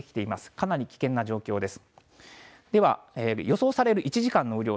かなり危険な状況です。